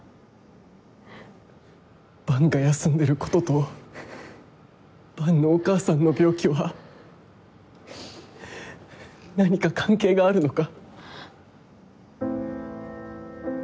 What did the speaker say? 伴が休んでることと伴のお母さんの病気は何か関係があるのか？